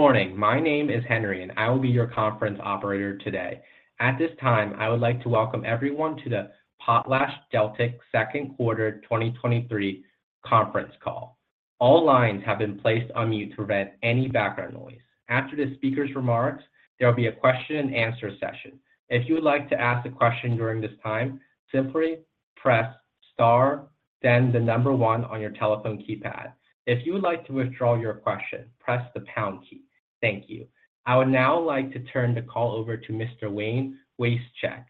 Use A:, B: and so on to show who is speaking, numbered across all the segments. A: Good morning. My name is Henry, and I will be your conference operator today. At this time, I would like to welcome everyone to the PotlatchDeltic Second Quarter 2023 conference call. All lines have been placed on mute to prevent any background noise. After the speaker's remarks, there will be a question and answer session. If you would like to ask a question during this time, simply press Star, then the number one on your telephone keypad. If you would like to withdraw your question, press the pound key. Thank you. I would now like to turn the call over to Mr. Wayne Wasechek,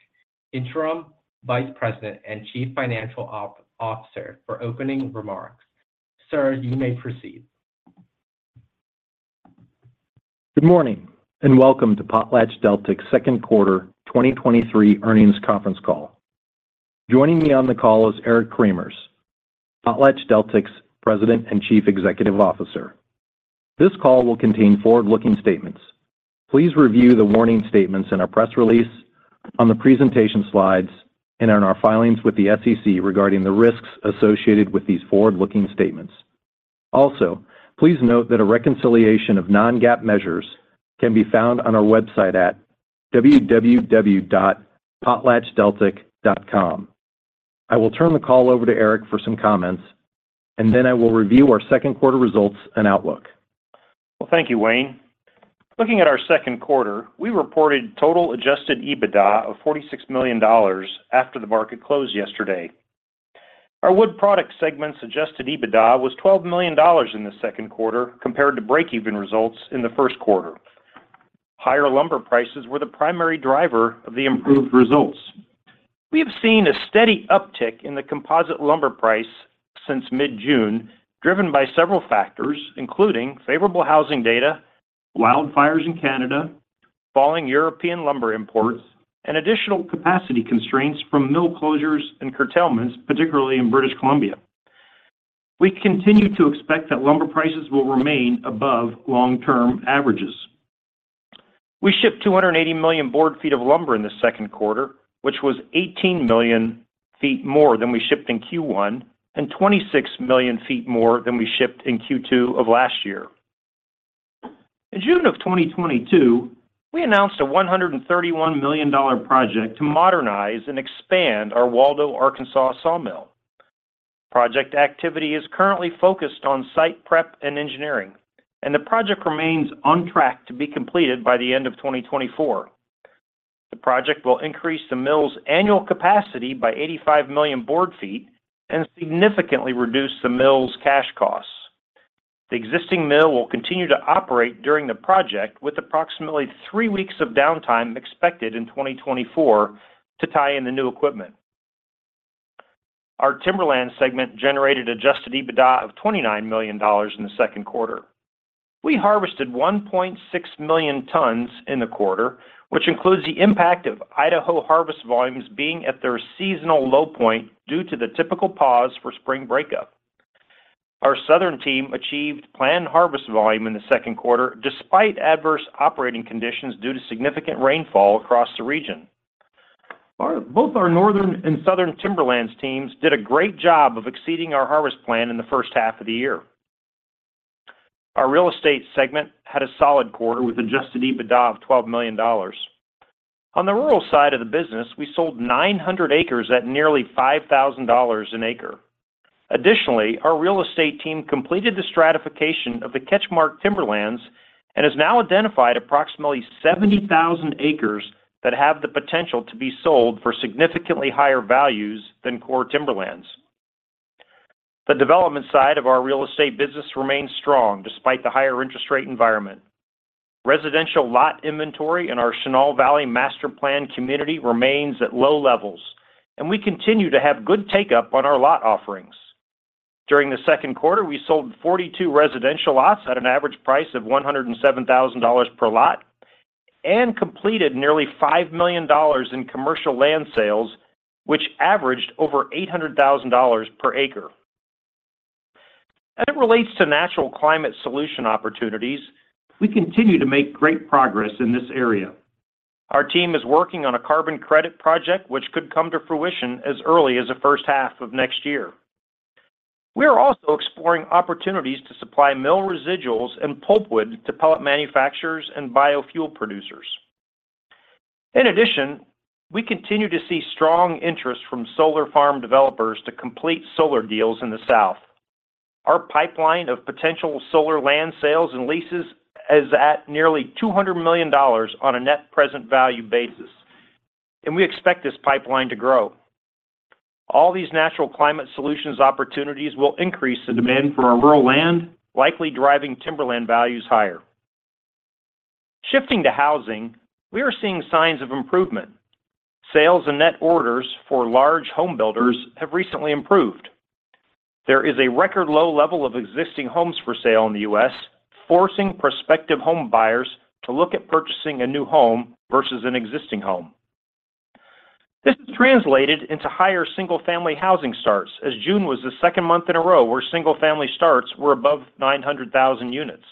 A: Vice President and Chief Financial Officer, for opening remarks. Sir, you may proceed.
B: Good morning, welcome to PotlatchDeltic's second quarter 2023 earnings conference call. Joining me on the call is Eric Cremers, PotlatchDeltic's President and Chief Executive Officer. This call will contain forward-looking statements. Please review the warning statements in our press release, on the presentation slides, and in our filings with the SEC regarding the risks associated with these forward-looking statements. Please note that a reconciliation of non-GAAP measures can be found on our website at www.potlatchdeltic.com. I will turn the call over to Eric for some comments, and then I will review our second quarter results and outlook.
C: Well, thank you, Wayne. Looking at our second quarter, we reported total adjusted EBITDA of $46 million after the market closed yesterday. Our wood product segment's adjusted EBITDA was $12 million in the second quarter, compared to breakeven results in the first quarter. Higher lumber prices were the primary driver of the improved results. We have seen a steady uptick in the composite lumber price since mid-June, driven by several factors, including favorable housing data, wildfires in Canada, falling European lumber imports, and additional capacity constraints from mill closures and curtailments, particularly in British Columbia. We continue to expect that lumber prices will remain above long-term averages. We shipped 280 million board feet of lumber in the second quarter, which was 18 million feet more than we shipped in Q1, and 26 million feet more than we shipped in Q2 of last year. In June of 2022, we announced a $131 million project to modernize and expand our Waldo, Arkansas sawmill. Project activity is currently focused on site prep and engineering, and the project remains on track to be completed by the end of 2024. The project will increase the mill's annual capacity by 85 million board feet and significantly reduce the mill's cash costs. The existing mill will continue to operate during the project, with approximately three weeks of downtime expected in 2024 to tie in the new equipment. Our timberland segment generated adjusted EBITDA of $29 million in the second quarter. We harvested 1.6 million tons in the quarter, which includes the impact of Idaho harvest volumes being at their seasonal low point due to the typical pause for spring breakup. Our southern team achieved planned harvest volume in the second quarter, despite adverse operating conditions due to significant rainfall across the region. Both our northern and southern timberlands teams did a great job of exceeding our harvest plan in the first half of the year. Our real estate segment had a solid quarter, with adjusted EBITDA of $12 million. On the rural side of the business, we sold 900 acres at nearly $5,000 an acre. Additionally, our real estate team completed the stratification of the CatchMark Timberlands and has now identified approximately 70,000 acres that have the potential to be sold for significantly higher values than core timberlands. The development side of our real estate business remains strong despite the higher interest rate environment. Residential lot inventory in our Chenal Valley Master Plan community remains at low levels, and we continue to have good take-up on our lot offerings. During the second quarter, we sold 42 residential lots at an average price of $107,000 per lot and completed nearly $5 million in commercial land sales, which averaged over $800,000 per acre. As it relates to natural climate solution opportunities, we continue to make great progress in this area. Our team is working on a carbon credit project, which could come to fruition as early as the first half of next year. We are also exploring opportunities to supply mill residuals and pulpwood to pellet manufacturers and biofuel producers. In addition, we continue to see strong interest from solar farm developers to complete solar deals in the South. Our pipeline of potential solar land sales and leases is at nearly $200 million on a net present value basis. We expect this pipeline to grow. All these natural climate solutions opportunities will increase the demand for our rural land, likely driving timberland values higher. Shifting to housing, we are seeing signs of improvement. Sales and net orders for large home builders have recently improved. There is a record low level of existing homes for sale in the U.S., forcing prospective home buyers to look at purchasing a new home versus an existing home. This is translated into higher single-family housing starts, as June was the second month in a row where single-family starts were above 900,000 units.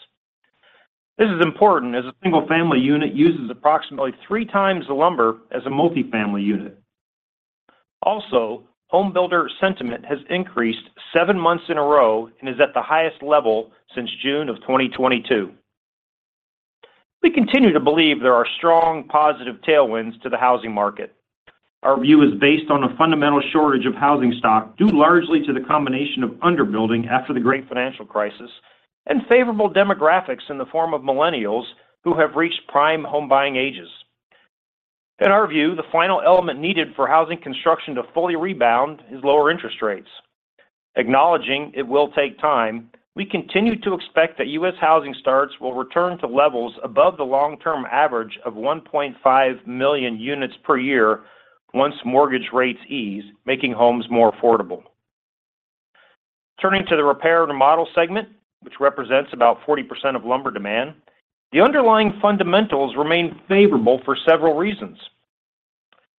C: This is important, as a single-family unit uses approximately three times the lumber as a multifamily unit. Also, homebuilder sentiment has increased seven months in a row and is at the highest level since June of 2022. We continue to believe there are strong positive tailwinds to the housing market. Our view is based on a fundamental shortage of housing stock, due largely to the combination of under-building after the great financial crisis and favorable demographics in the form of millennials who have reached prime home buying ages. In our view, the final element needed for housing construction to fully rebound is lower interest rates. Acknowledging it will take time, we continue to expect that U.S. housing starts will return to levels above the long-term average of 1.5 million units per year once mortgage rates ease, making homes more affordable. Turning to the repair and remodel segment, which represents about 40% of lumber demand, the underlying fundamentals remain favorable for several reasons.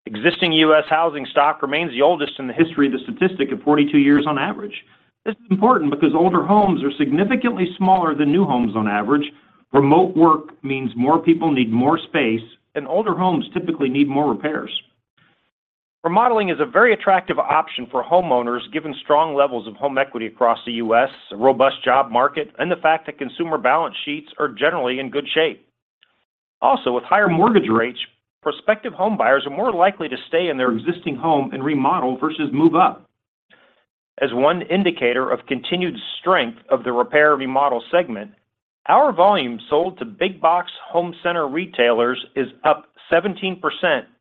C: Existing U.S. housing stock remains the oldest in the history of the statistic of 42 years on average. This is important because older homes are significantly smaller than new homes on average. Remote work means more people need more space, and older homes typically need more repairs. Remodeling is a very attractive option for homeowners, given strong levels of home equity across the U.S., a robust job market, and the fact that consumer balance sheets are generally in good shape. With higher mortgage rates, prospective homebuyers are more likely to stay in their existing home and remodel versus move up. As one indicator of continued strength of the repair-remodel segment, our volume sold to big box home center retailers is up 17%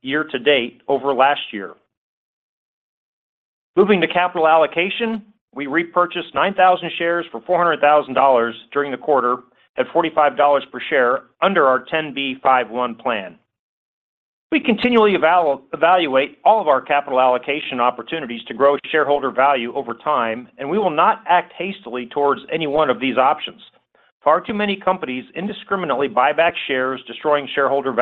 C: year-to-date over last year. Moving to capital allocation, we repurchased 9,000 shares for $400,000 during the quarter at $45 per share under our 10b5-1 plan. We continually evaluate all of our capital allocation opportunities to grow shareholder value over time, we will not act hastily towards any one of these options. Far too many companies indiscriminately buy back shares, destroying shareholder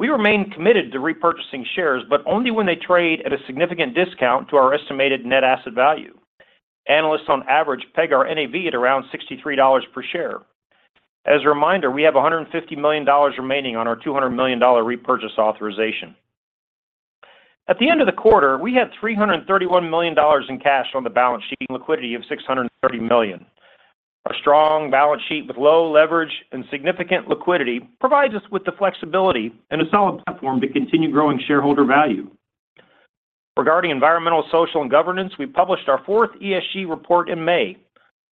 C: value. We remain committed to repurchasing shares, only when they trade at a significant discount to our estimated net asset value. Analysts on average peg our NAV at around $63 per share. As a reminder, we have $150 million remaining on our $200 million repurchase authorization. At the end of the quarter, we had $331 million in cash on the balance sheet and liquidity of $630 million. Our strong balance sheet with low leverage and significant liquidity provides us with the flexibility and a solid platform to continue growing shareholder value. Regarding environmental, social, and governance, we published our fourth ESG report in May.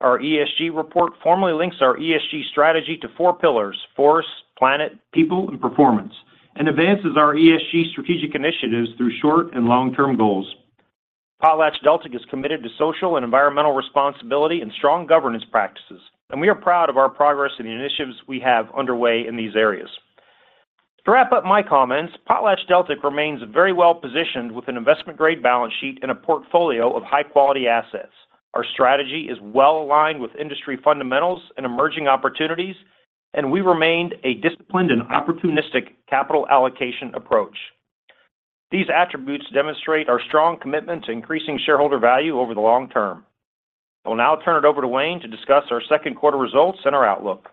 C: Our ESG report formally links our ESG strategy to four pillars: forest, planet, people, and performance, and advances our ESG strategic initiatives through short and long-term goals. PotlatchDeltic is committed to social and environmental responsibility and strong governance practices. We are proud of our progress and the initiatives we have underway in these areas. To wrap up my comments, PotlatchDeltic remains very well-positioned with an investment-grade balance sheet and a portfolio of high-quality assets. Our strategy is well-aligned with industry fundamentals and emerging opportunities. We remained a disciplined and opportunistic capital allocation approach. These attributes demonstrate our strong commitment to increasing shareholder value over the long term. I will now turn it over to Wayne to discuss our second quarter results and our outlook.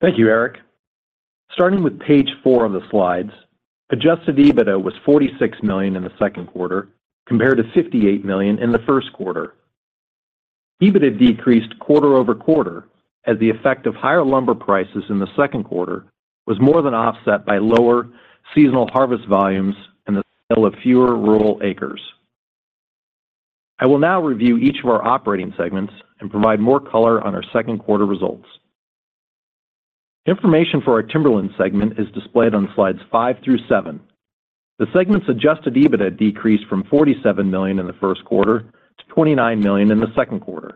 B: Thank you, Eric. Starting with page 4 of the slides, adjusted EBITDA was $46 million in the Q2, compared to $58 million in the 1Q. EBITDA decreased quarter-over-quarter, as the effect of higher lumber prices in the Q2 was more than offset by lower seasonal harvest volumes and the sale of fewer rural acres. I will now review each of our operating segments and provide more color on our Q2 results. Information for our Timberland segment is displayed on slides 5-7. The segment's adjusted EBITDA decreased from $47 million in the Q1 to $29 million in the Q2.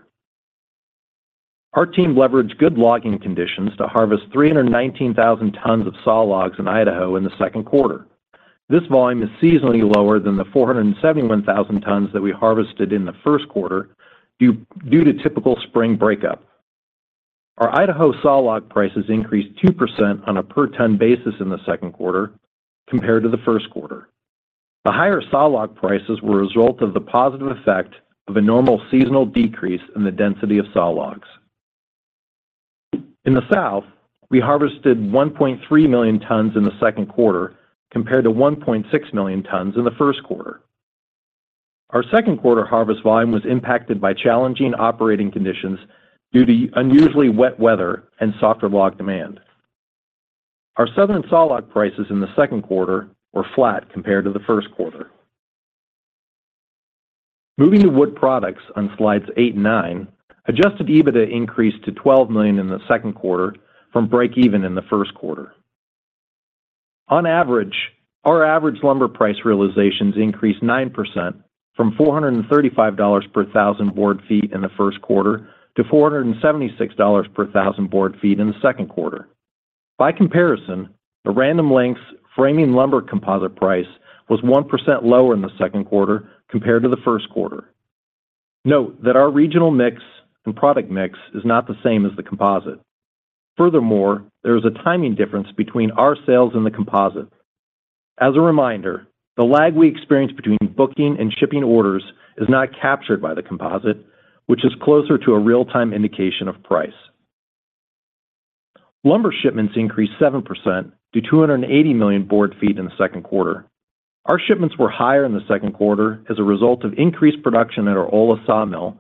B: Our team leveraged good logging conditions to harvest 319,000 tons of sawlogs in Idaho in the Q2. This volume is seasonally lower than the 471,000 tons that we harvested in the Q1 due to typical spring breakup. Our Idaho sawlog prices increased 2% on a per-ton basis in the Q2 compared to the Q1. The higher sawlog prices were a result of the positive effect of a normal seasonal decrease in the density of sawlogs. In the South, we harvested 1.3 million tons in the Q2, compared to 1.6 million tons in the first quarter. Our Q2 harvest volume was impacted by challenging operating conditions due to unusually wet weather and softer log demand. Our southern sawlog prices in the second quarter were flat compared to the first quarter. Moving to Wood Products on slides 8 and 9, adjusted EBITDA increased to $12 million in the second quarter from break even in the first quarter. On average, our average lumber price realizations increased 9% from $435 per thousand board feet in the first quarter to $476 per thousand board feet in the Q2. By comparison, the Random Lengths framing lumber composite price was 1% lower in the second quarter compared to the first quarter. Note that our regional mix and product mix is not the same as the composite. Furthermore, there is a timing difference between our sales and the composite. As a reminder, the lag we experience between booking and shipping orders is not captured by the composite, which is closer to a real-time indication of price. Lumber shipments increased 7% to 280 million board feet in the second quarter. Our shipments were higher in the second quarter as a result of increased production at our Ola sawmill,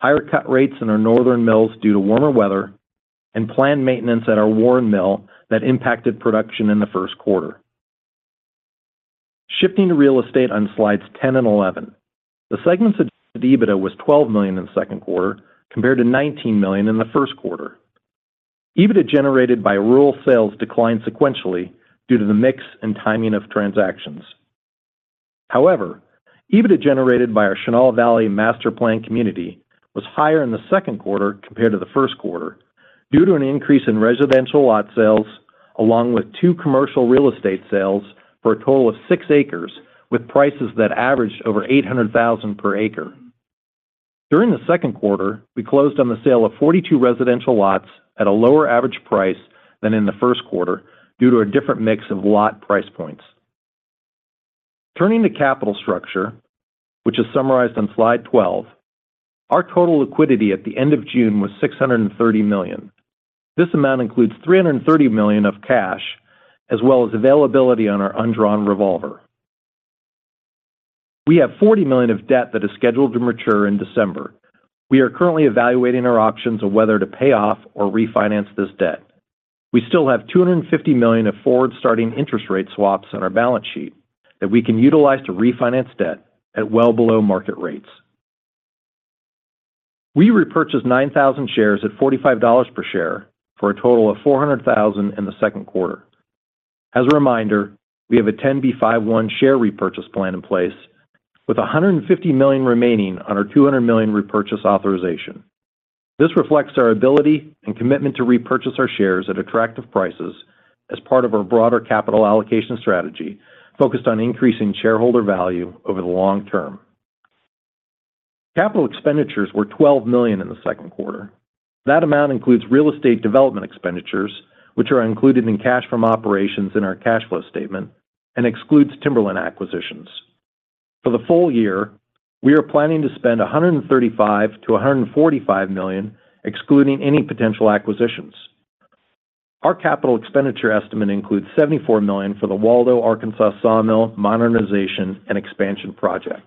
B: higher cut rates in our northern mills due to warmer weather, and planned maintenance at our Warren mill that impacted production in the first quarter. Shifting to real estate on slides 10 and 11. The segment's EBITDA was $12 million in the second quarter, compared to $19 million in the first quarter. EBITDA generated by rural sales declined sequentially due to the mix and timing of transactions. EBITDA generated by our Chenal Valley Master Plan community was higher in the second quarter compared to the first quarter due to an increase in residential lot sales, along with 2 commercial real estate sales for a total of 6 acres, with prices that averaged over $800,000 per acre. During the second quarter, we closed on the sale of 42 residential lots at a lower average price than in the first quarter due to a different mix of lot price points. Turning to capital structure, which is summarized on Slide 12, our total liquidity at the end of June was $630 million. This amount includes $330 million of cash, as well as availability on our undrawn revolver. We have $40 million of debt that is scheduled to mature in December. We are currently evaluating our options on whether to pay off or refinance this debt. We still have $250 million of forward-starting interest rate swaps on our balance sheet that we can utilize to refinance debt at well below market rates. We repurchased 9,000 shares at $45 per share for a total of $400,000 in the second quarter. As a reminder, we have a 10b5-1 share repurchase plan in place, with $150 million remaining on our $200 million repurchase authorization. This reflects our ability and commitment to repurchase our shares at attractive prices as part of our broader capital allocation strategy, focused on increasing shareholder value over the long term. Capital expenditures were $12 million in the second quarter. That amount includes real estate development expenditures, which are included in cash from operations in our cash flow statement, and excludes timberland acquisitions. For the full year, we are planning to spend $135 million-$145 million, excluding any potential acquisitions. Our capital expenditure estimate includes $74 million for the Waldo, Arkansas sawmill modernization and expansion project.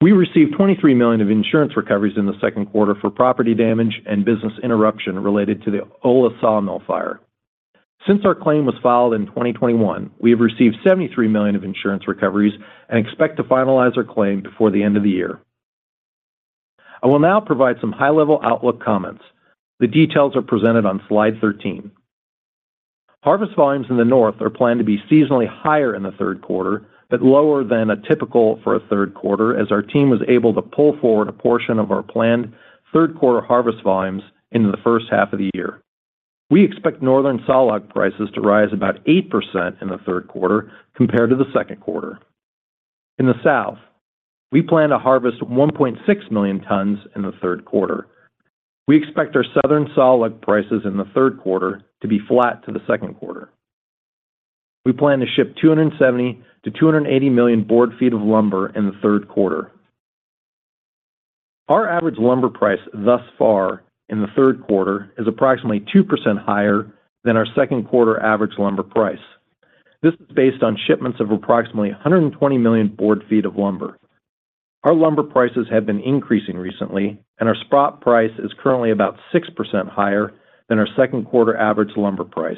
B: We received $23 million of insurance recoveries in the second quarter for property damage and business interruption related to the Ola sawmill fire. Since our claim was filed in 2021, we have received $73 million of insurance recoveries and expect to finalize our claim before the end of the year. I will now provide some high-level outlook comments. The details are presented on Slide 13. Harvest volumes in the North are planned to be seasonally higher in the third quarter, but lower than a typical for a third quarter, as our team was able to pull forward a portion of our planned third quarter harvest volumes into the first half of the year. We expect Northern sawlog prices to rise about 8% in the third quarter compared to the second quarter. In the South, we plan to harvest 1.6 million tons in the third quarter. We expect our Southern sawlog prices in the third quarter to be flat to the second quarter. We plan to ship 270 million-280 million board feet of lumber in the third quarter. Our average lumber price thus far in the third quarter is approximately 2% higher than our second quarter average lumber price. This is based on shipments of approximately 120 million board feet of lumber. Our lumber prices have been increasing recently, and our spot price is currently about 6% higher than our second quarter average lumber price.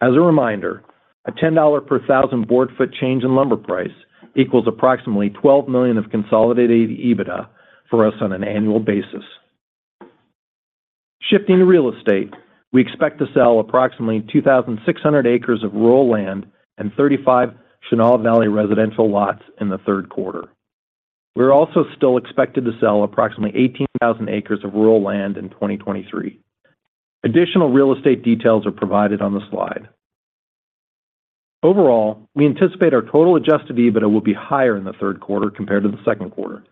B: As a reminder, a $10 per 1,000 board foot change in lumber price equals approximately $12 million of consolidated EBITDA for us on an annual basis. Shifting to real estate, we expect to sell approximately 2,600 acres of rural land and 35 Chenal Valley residential lots in the third quarter. We're also still expected to sell approximately 18,000 acres of rural land in 2023. Additional real estate details are provided on the slide. Overall, we anticipate our total adjusted EBITDA will be higher in the third quarter compared to the second quarter.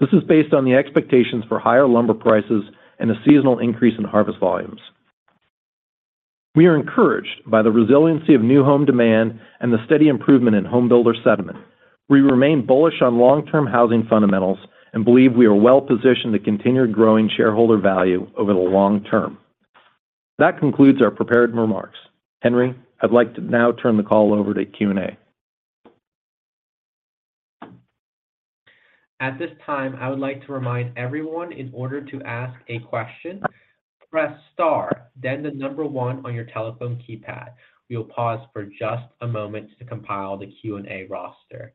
B: This is based on the expectations for higher lumber prices and a seasonal increase in harvest volumes. We are encouraged by the resiliency of new home demand and the steady improvement in home builder sentiment. We remain bullish on long-term housing fundamentals and believe we are well positioned to continue growing shareholder value over the long term. That concludes our prepared remarks. Henry, I'd like to now turn the call over to Q&A.
A: At this time, I would like to remind everyone, in order to ask a question, press star, then 1 on your telephone keypad. We will pause for just a moment to compile the Q&A roster.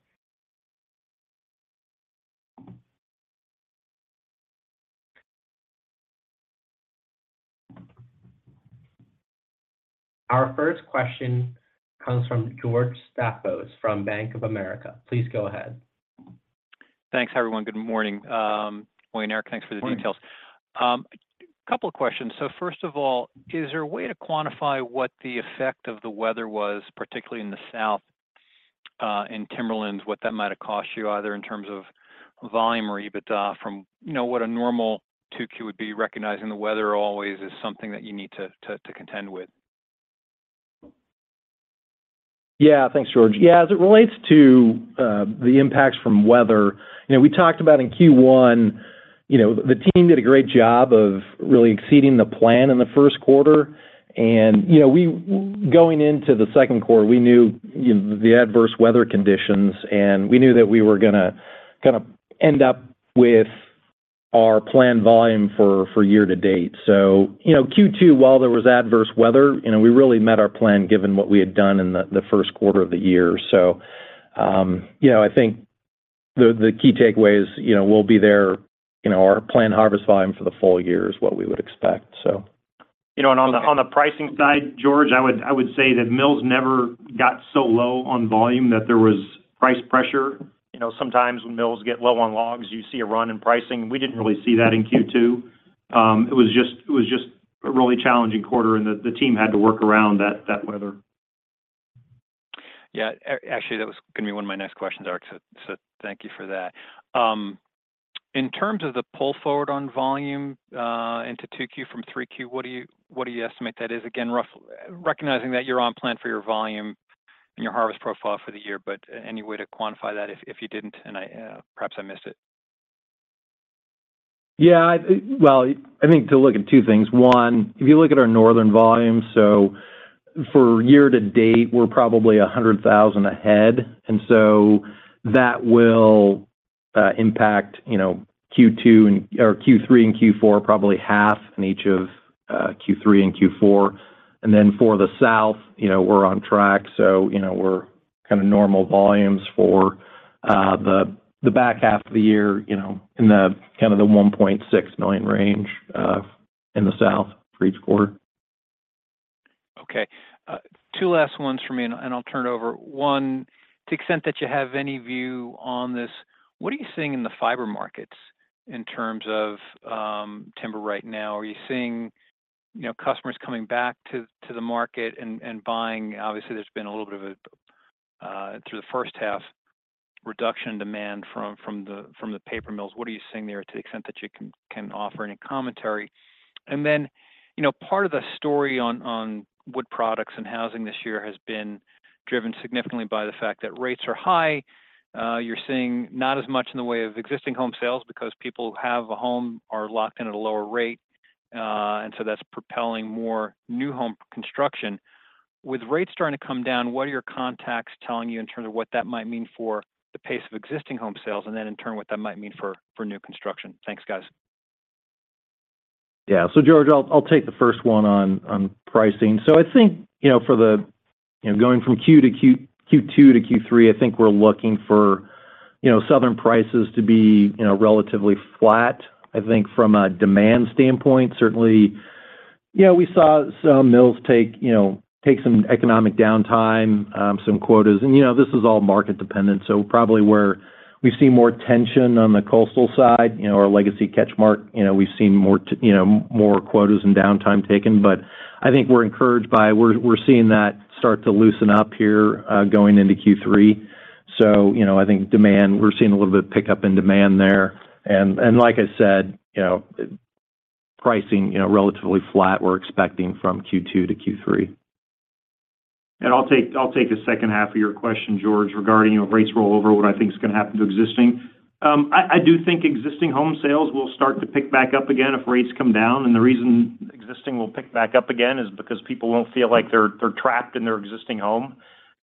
A: Our first question comes from George Staphos from Bank of America. Please go ahead.
D: Thanks, everyone. Good morning, Wayne and Eric, thanks for the details. A couple of questions. First of all, is there a way to quantify what the effect of the weather was, particularly in the South, in Timberlands, what that might have cost you, either in terms of volume or EBITDA from, you know, what a normal 2Q would be, recognizing the weather always is something that you need to contend with? ...
B: Yeah, thanks, George. Yeah, as it relates to, the impacts from weather, you know, we talked about in Q1, you know, the team did a great job of really exceeding the plan in the first quarter. You know, we, going into the second quarter, we knew, you know, the adverse weather conditions, and we knew that we were gonna kind of end up with our planned volume for, for year to date. You know, Q2, while there was adverse weather, you know, we really met our plan given what we had done in the, the first quarter of the year. You know, I think the, the key takeaway is, you know, we'll be there, you know, our planned harvest volume for the full year is what we would expect, so.
C: You know, on the, on the pricing side, George, I would, I would say that mills never got so low on volume, that there was price pressure. You know, sometimes when mills get low on logs, you see a run in pricing, we didn't really see that in Q2. It was just, it was just a really challenging quarter, the, the team had to work around that, that weather.
D: Yeah, actually, that was gonna be one of my next questions, Eric, so, so thank you for that. In terms of the pull forward on volume, into 2Q from 3Q, what do you, what do you estimate that is? Again, recognizing that you're on plan for your volume and your harvest profile for the year, but any way to quantify that if, if you didn't, and I, perhaps I missed it.
B: Yeah, I, Well, I think to look at 2 things. One, if you look at our northern volume, so for year to date, we're probably 100,000 ahead, and so that will impact, you know, Q2 or Q3 and Q4, probably half in each of Q3 and Q4. Then for the South, you know, we're on track, so, you know, we're kind of normal volumes for the, the back half of the year, you know, in the kind of the 1.6 million range in the South for each quarter.
D: Okay. two last ones for me, and, and I'll turn it over. One, to the extent that you have any view on this, what are you seeing in the fiber markets in terms of timber right now? Are you seeing, you know, customers coming back to, to the market and, and buying? Obviously, there's been a little bit of a through the first half, reduction in demand from, from the, from the paper mills. What are you seeing there, to the extent that you can, can offer any commentary? Then, you know, part of the story on, on wood products and housing this year has been driven significantly by the fact that rates are high. You're seeing not as much in the way of existing home sales because people who have a home are locked in at a lower rate, and so that's propelling more new home construction. With rates starting to come down, what are your contacts telling you in terms of what that might mean for the pace of existing home sales, and then in turn, what that might mean for new construction? Thanks, guys.
B: Yeah. George Staphos, I'll, I'll take the first one on, on pricing. I think, you know, for the You know, going from Q2 to Q3, I think we're looking for, you know, southern prices to be, you know, relatively flat. I think from a demand standpoint, certainly, you know, we saw some mills take, you know, take some economic downtime, some quotas. You know, this is all market dependent, so probably where we see more tension on the coastal side, you know, our legacy CatchMark, you know, we've seen more, you know, more quotas and downtime taken. I think we're encouraged by- we're, we're seeing that start to loosen up here, going into Q3. You know, I think demand, we're seeing a little bit of pickup in demand there. Like I said, you know, pricing, you know, relatively flat, we're expecting from Q2 to Q3.
C: I'll take, I'll take the second half of your question, George, regarding, you know, rates roll over, what I think is gonna happen to existing. I, I do think existing home sales will start to pick back up again if rates come down, and the reason existing will pick back up again is because people won't feel like they're, they're trapped in their existing home.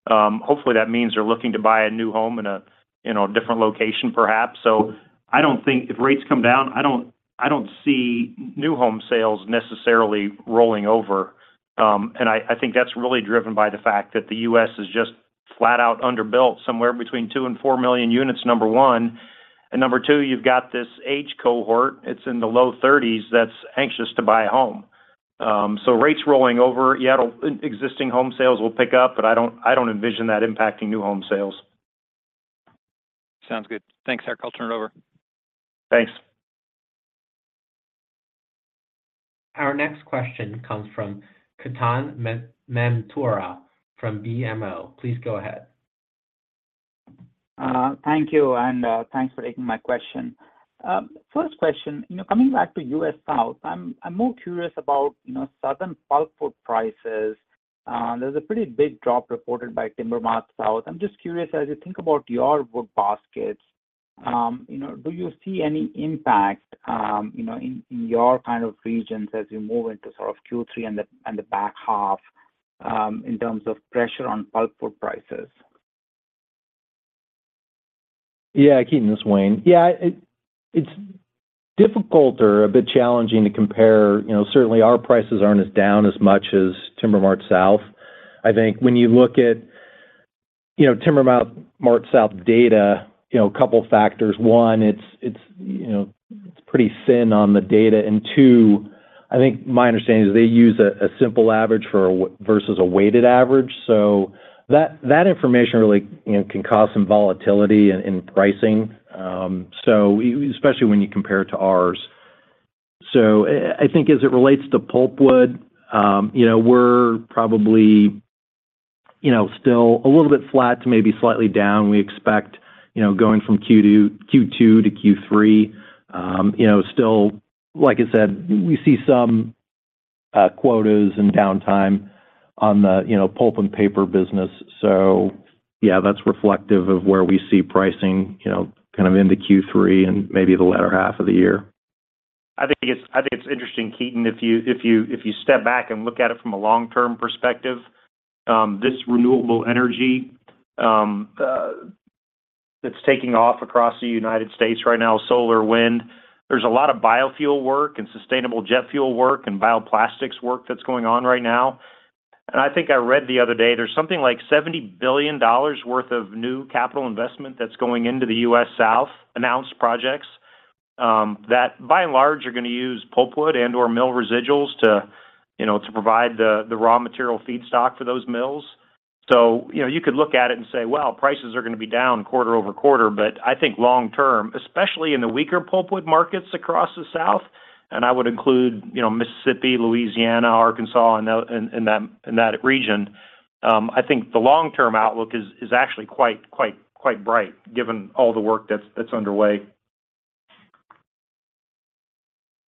C: Hopefully, that means they're looking to buy a new home in a, in a different location, perhaps. I don't think if rates come down, I don't, I don't see new home sales necessarily rolling over, and I, I think that's really driven by the fact that the U.S. is just flat out underbuilt, somewhere between 2 million and 4 million units, number one, and number two, you've got this age cohort, it's in the low 30s, that's anxious to buy a home. Rates rolling over, yeah, it'll. Existing home sales will pick up, but I don't, I don't envision that impacting new home sales.
D: Sounds good. Thanks, Eric. I'll turn it over.
C: Thanks.
A: Our next question comes from Ketan Mamtora from BMO. Please go ahead.
E: Thank you, and thanks for taking my question. First question, you know, coming back to U.S. South, I'm, I'm more curious about, you know, southern pulpwood prices. There's a pretty big drop reported by TimberMart-South. I'm just curious, as you think about your wood baskets, you know, do you see any impact, you know, in, in your kind of regions as you move into sort of Q3 and the, and the back half, in terms of pressure on pulpwood prices?
B: Yeah, Ketan, this is Wayne. Yeah, it, it's difficult or a bit challenging to compare. You know, certainly, our prices aren't as down as much as TimberMart-South. I think when you look at, you know, TimberMart-South data, you know, a couple factors: one, it's, it's, you know, it's pretty thin on the data, and two, I think my understanding is they use a, a simple average for versus a weighted average. That, that information really, you know, can cause some volatility in, in pricing, especially when you compare it to ours. I, I think as it relates to pulpwood, you know, we're probably, you know, still a little bit flat to maybe slightly down. We expect, you know, going from Q2 to Q3, you know, still, like I said, we see... quotas and downtime on the, you know, pulp and paper business. Yeah, that's reflective of where we see pricing, you know, kind of into Q3 and maybe the latter half of the year.
C: I think it's, I think it's interesting, Keaton, if you, if you, if you step back and look at it from a long-term perspective, this renewable energy that's taking off across the United States right now, solar, wind, there's a lot of biofuel work and sustainable jet fuel work and bioplastics work that's going on right now. I think I read the other day, there's something like $70 billion worth of new capital investment that's going into the U.S. South, announced projects, that by and large, are gonna use pulpwood and/or mill residuals to, you know, to provide the, the raw material feedstock for those mills. You know, you could look at it and say, "Well, prices are gonna be down quarter-over-quarter." I think long term, especially in the weaker pulpwood markets across the South, and I would include, you know, Mississippi, Louisiana, Arkansas, and in that, in that region, I think the long-term outlook is, is actually quite, quite, quite bright, given all the work that's, that's underway.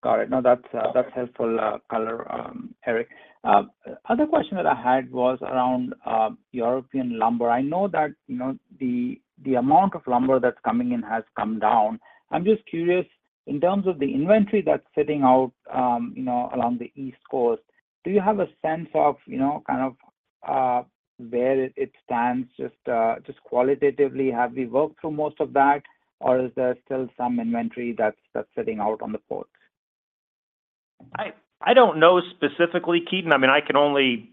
E: Got it. No, that's that's helpful color, Eric. Other question that I had was around European lumber. I know that, you know, the, the amount of lumber that's coming in has come down. I'm just curious, in terms of the inventory that's sitting out, you know, along the East Coast, do you have a sense of, you know, kind of, where it stands, just qualitatively? Have we worked through most of that, or is there still some inventory that's, that's sitting out on the port?
C: I, I don't know specifically, Ketan. I mean, I can only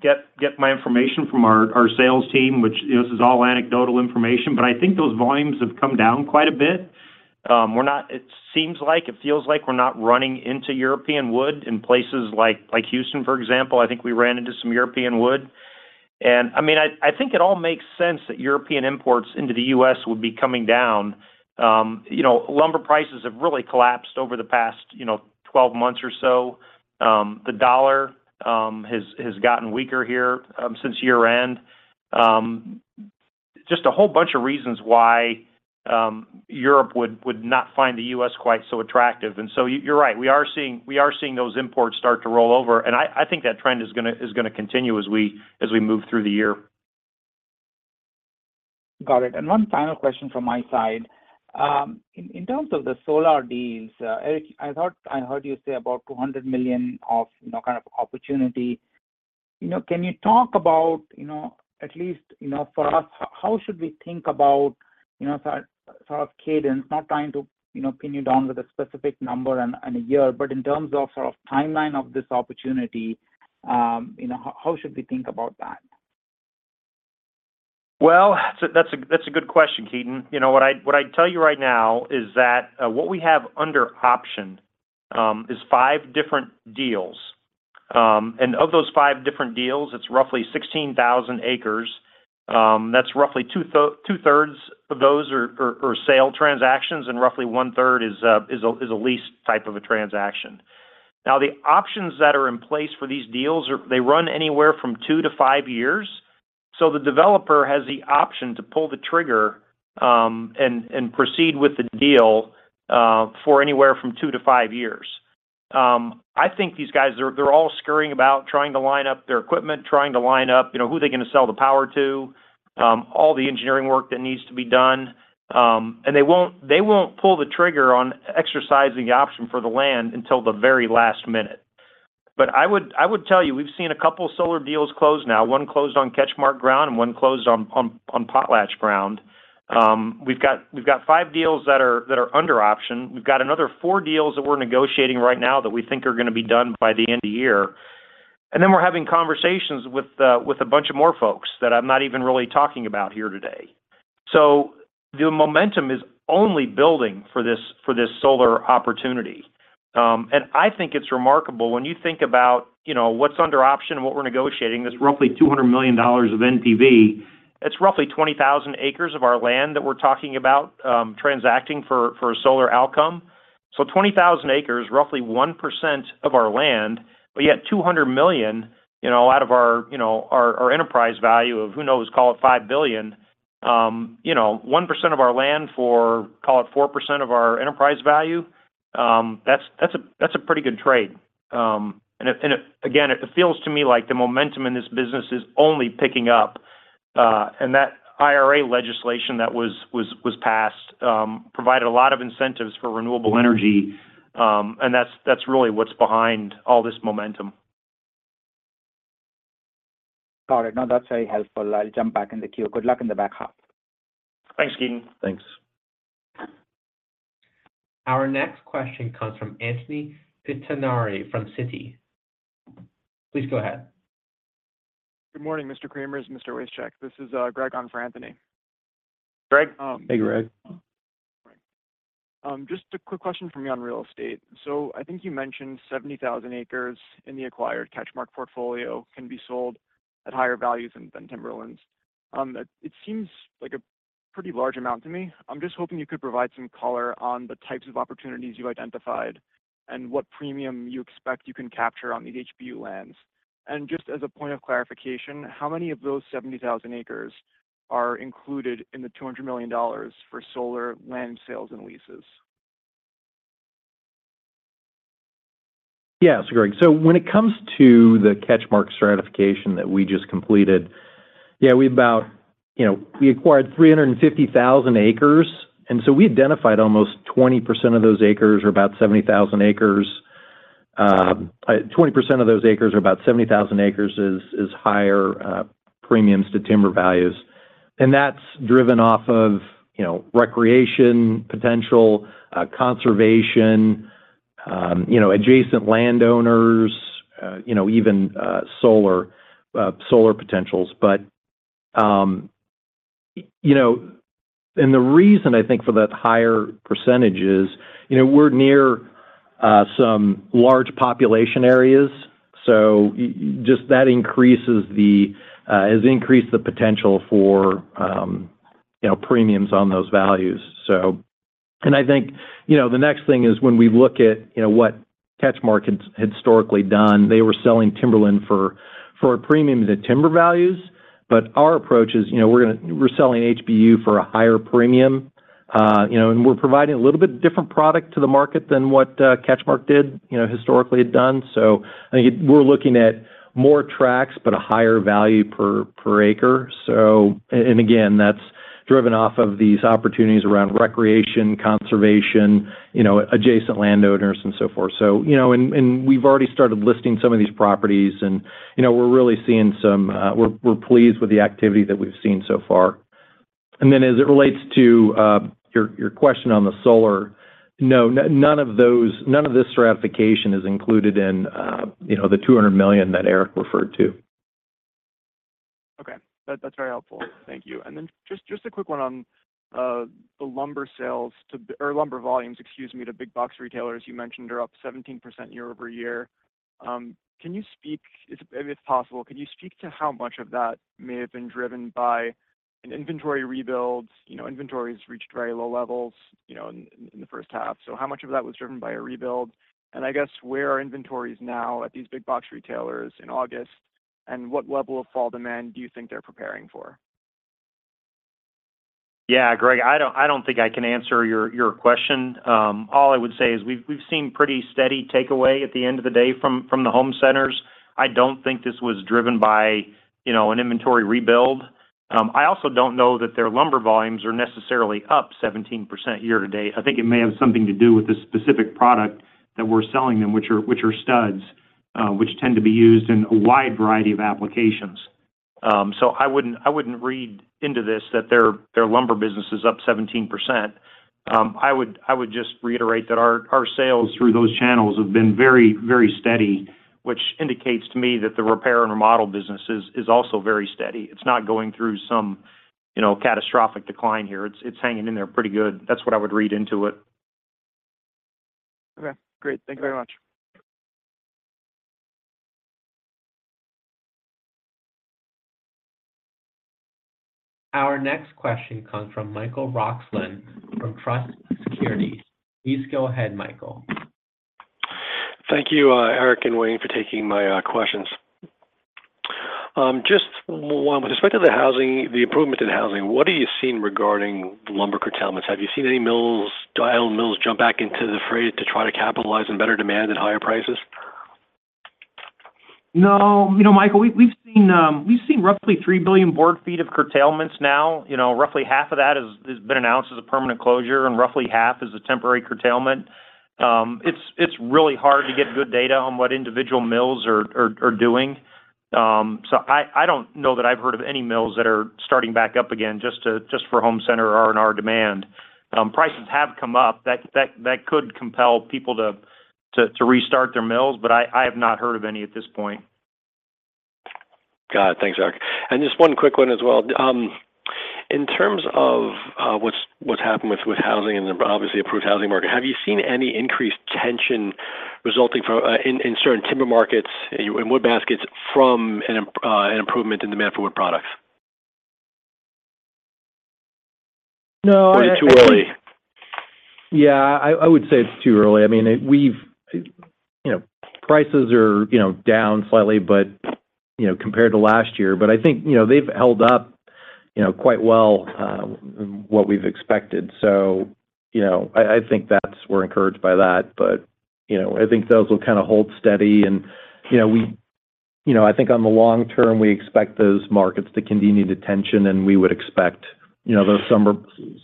C: get, get my information from our, our sales team, which, you know, this is all anecdotal information, but I think those volumes have come down quite a bit. We're not-- it seems like, it feels like we're not running into European wood in places like, like Houston, for example. I think we ran into some European wood. I mean, I, I think it all makes sense that European imports into the U.S. would be coming down. You know, lumber prices have really collapsed over the past, you know, 12 months or so. The dollar has, has gotten weaker here since year-end. Just a whole bunch of reasons why Europe would, would not find the U.S. quite so attractive. You're right, we are seeing, we are seeing those imports start to roll over, and I, I think that trend is gonna, is gonna continue as we, as we move through the year.
E: Got it. One final question from my side. In, in terms of the solar deals, Eric, I thought I heard you say about $200 million of, you know, kind of opportunity. You know, can you talk about, you know, at least, you know, for us, how should we think about, you know, sort of, sort of cadence? Not trying to, you know, pin you down with a specific number and, and a year, but in terms of sort of timeline of this opportunity, you know, how, how should we think about that?
C: Well, that's a, that's a good question, Keaton. You know, what I'd, what I'd tell you right now is that what we have under option is five different deals. And of those 5 different deals, it's roughly 16,000 acres. That's roughly two-thirds of those are sale transactions, and roughly one-third is a, is a, is a lease type of a transaction. Now, the options that are in place for these deals they run anywhere from two to five years, so the developer has the option to pull the trigger and proceed with the deal for anywhere from two to five years. I think these guys are they're all scurrying about, trying to line up their equipment, trying to line up, you know, who they're gonna sell the power to, all the engineering work that needs to be done. They won't, they won't pull the trigger on exercising the option for the land until the very last minute. I would, I would tell you, we've seen a couple solar deals close now. One closed on CatchMark ground, and one closed on, on, on Potlatch ground. We've got, we've got five deals that are, that are under option. We've got another four deals that we're negotiating right now that we think are gonna be done by the end of the year. Then we're having conversations with, with a bunch of more folks that I'm not even really talking about here today. The momentum is only building for this, for this solar opportunity. I think it's remarkable when you think about, you know, what's under option and what we're negotiating, this roughly $200 million of NPV, it's roughly 20,000 acres of our land that we're talking about, transacting for, for a solar outcome. 20,000 acres, roughly 1% of our land, but yet $200 million, you know, out of our, you know, our, our enterprise value of, who knows, call it $5 billion. You know, 1% of our land for, call it, 4% of our enterprise value, that's, that's a, that's a pretty good trade. It, again, it feels to me like the momentum in this business is only picking up. That IRA legislation that was passed, provided a lot of incentives for renewable energy, and that's, that's really what's behind all this momentum.
E: Got it. No, that's very helpful. I'll jump back in the queue. Good luck in the back half.
C: Thanks, Ketan.
A: Thanks. Our next question comes from Anthony Pettinari from Citi. Please go ahead.
F: Good morning, Eric Cremers, Wayne Wasechek. This is, Greg on for Anthony.
C: Greg?
B: Hey, Greg.
F: Just a quick question for me on real estate. I think you mentioned 70,000 acres in the acquired CatchMark portfolio can be sold at higher values than, than timberlands. It, it seems like a pretty large amount to me. I'm just hoping you could provide some color on the types of opportunities you identified and what premium you expect you can capture on these HBU lands. Just as a point of clarification, how many of those 70,000 acres-... are included in the $200 million for solar land sales and leases?
B: Yeah, Greg, when it comes to the CatchMark stratification that we just completed, yeah, we about, you know, we acquired 350,000 acres, and so we identified almost 20% of those acres, or about 70,000 acres. 20% of those acres, or about 70,000 acres, is, is higher premiums to timber values, and that's driven off of, you know, recreation, potential, conservation, you know, adjacent landowners, you know, even solar, solar potentials. You know, and the reason I think for that higher percentage is, you know, we're near some large population areas, so just that increases the has increased the potential for, you know, premiums on those values. I think, you know, the next thing is when we look at, you know, what CatchMark had, had historically done, they were selling timberland for, for a premium to timber values. Our approach is, you know, we're selling HBU for a higher premium, you know, and we're providing a little bit different product to the market than what CatchMark did, you know, historically had done. I think we're looking at more tracks, but a higher value per, per acre. And again, that's driven off of these opportunities around recreation, conservation, you know, adjacent landowners and so forth. You know, and, and we've already started listing some of these properties and, you know, we're really seeing some. We're, we're pleased with the activity that we've seen so far. Then, as it relates to, your, your question on the solar, no, none of this stratification is included in, you know, the $200 million that Eric referred to.
F: Okay. That, that's very helpful. Thank you. Then just, just a quick one on, the lumber sales to... or lumber volumes, excuse me, to big box retailers, you mentioned are up 17% year-over-year. Can you speak, if, if it's possible, can you speak to how much of that may have been driven by an inventory rebuild? You know, inventories reached very low levels, you know, in, in the first half. How much of that was driven by a rebuild? I guess, where are inventories now at these big box retailers in August, and what level of fall demand do you think they're preparing for?
B: Yeah, Greg, I don't, I don't think I can answer your, your question. All I would say is we've, we've seen pretty steady takeaway at the end of the day from, from the home centers. I don't think this was driven by, you know, an inventory rebuild. I also don't know that their lumber volumes are necessarily up 17% year to date. I think it may have something to do with the specific product that we're selling them, which are, which are studs, which tend to be used in a wide variety of applications. I wouldn't, I wouldn't read into this, that their, their lumber business is up 17%. I would, I would just reiterate that our, our sales through those channels have been very, very steady, which indicates to me that the repair and remodel business is, is also very steady. It's not going through some, you know, catastrophic decline here. It's, it's hanging in there pretty good. That's what I would read into it.
F: Okay, great. Thank you very much.
A: Our next question comes from Michael Roxland, from Truist Securities. Please go ahead, Michael.
G: Thank you, Eric and Wayne, for taking my questions. Just one. With respect to the housing, the improvement in housing, what are you seeing regarding lumber curtailments? Have you seen any mills jump back into the fray to try to capitalize on better demand at higher prices?
C: No. You know, Michael, we've, we've seen, we've seen roughly 3 billion board feet of curtailments now. You know, roughly half of that has, has been announced as a permanent closure, and roughly half is a temporary curtailment. It's, it's really hard to get good data on what individual mills are, are, are doing. I, I don't know that I've heard of any mills that are starting back up again just to, just for home center or in our demand. Prices have come up. That, that, that could compel people to, to, to restart their mills, but I, I have not heard of any at this point.
G: Got it. Thanks, Eric. Just one quick one as well. In terms of what's, what's happened with, with housing and obviously improved housing market, have you seen any increased tension resulting from in certain timber markets, in wood baskets, from an improvement in demand for wood products?
B: No.
G: Too early?
B: Yeah, I, I would say it's too early. I mean, we've, you know, prices are, you know, down slightly, but, you know, compared to last year. I think, you know, they've held up, you know, quite well, what we've expected. You know, I, I think that's we're encouraged by that, but, you know, I think those will kind of hold steady. You know, we You know, I think on the long term, we expect those markets to continue the tension, and we would expect, you know, those summer-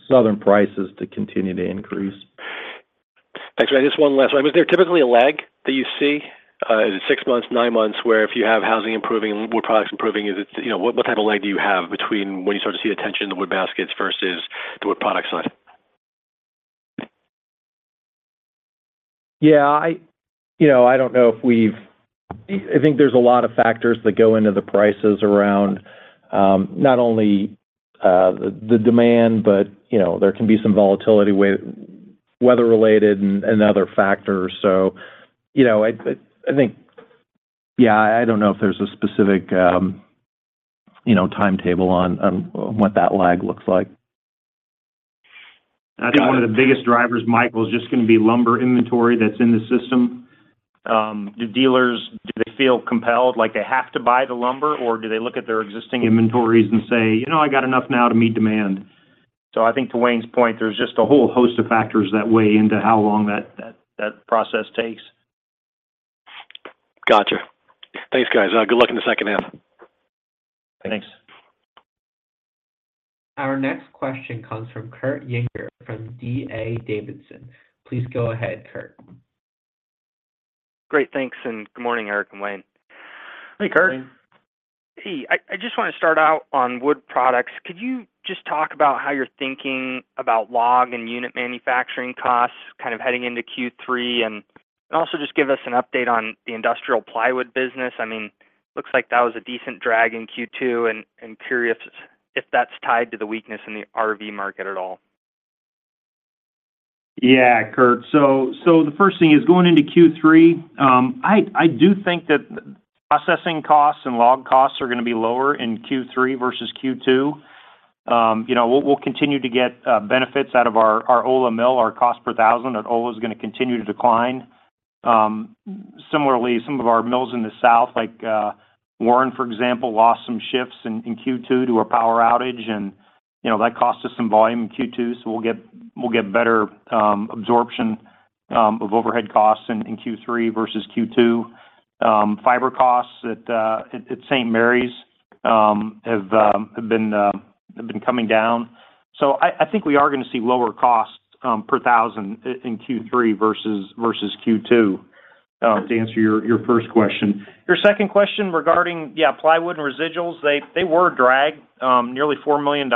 B: southern prices to continue to increase.
G: Thanks. Just one last one. Is there typically a lag that you see, is it six months, nine months, where if you have housing improving, wood products improving, is it, you know, what, what type of lag do you have between when you start to see a tension in the wood baskets versus the wood product side?
B: Yeah, You know, I don't know if I think there's a lot of factors that go into the prices around, not only, the, the demand, but, you know, there can be some volatility with weather-related and, and other factors. You know, I, I think, yeah, I don't know if there's a specific, you know, timetable on, on what that lag looks like....
C: I think one of the biggest drivers, Michael, is just going to be lumber inventory that's in the system. Do dealers, do they feel compelled, like they have to buy the lumber, or do they look at their existing inventories and say, "You know, I got enough now to meet demand?" I think to Wayne's point, there's just a whole host of factors that weigh into how long that, that, that process takes.
G: Gotcha. Thanks, guys. Good luck in the second half.
C: Thanks.
A: Our next question comes from Kurt Yinger from D.A. Davidson. Please go ahead, Kurt.
H: Great, thanks, and good morning, Eric and Wayne.
C: Hey, Kurt.
H: Hey, I, I just want to start out on wood products. Could you just talk about how you're thinking about log and unit manufacturing costs kind of heading into Q3, and, and also just give us an update on the industrial plywood business? I mean, looks like that was a decent drag in Q2, and, I'm curious if that's tied to the weakness in the RV market at all.
C: Yeah, Kurt. The first thing is going into third quarter, I do think that processing costs and log costs are going to be lower in third quarter versus second quarter. You know, we'll continue to get benefits out of our Ola mill, our cost per 1,000 at Ola is going to continue to decline. Similarly, some of our mills in the South, like Warren, for example, lost some shifts in second quarter to a power outage, and, you know, that cost us some volume in second quarter, so we'll get better absorption of overhead costs in Q3 versus Q2. Fiber costs at St. Maries have been coming down. I, I think we are going to see lower costs per thousand in Q3 versus Q2 to answer your first question. Your second question regarding, yeah, plywood and residuals, they, they were a drag, nearly $4 million